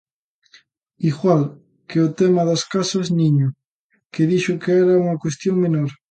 Igual que o tema das casas niño, que dixo que era unha cuestión menor.